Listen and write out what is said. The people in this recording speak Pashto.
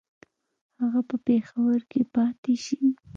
هغه په پېښور کې پاته شي.